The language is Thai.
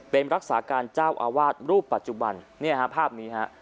เป็นรักษาการเจ้าอาวาสรูปปัจจุบันเนี่ยฮะภาพนี้ฮะ